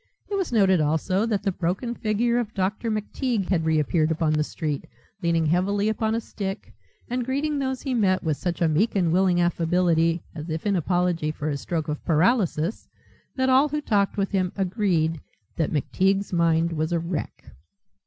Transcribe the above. It was noted also that the broken figure of Dr. McTeague had reappeared upon the street, leaning heavily upon a stick and greeting those he met with such a meek and willing affability, as if in apology for his stroke of paralysis, that all who talked with him agreed that McTeague's mind was a wreck.